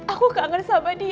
aku kangen sama dia